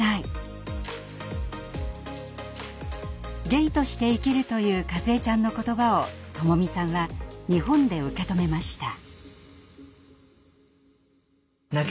ゲイとして生きるというかずえちゃんの言葉を智美さんは日本で受け止めました。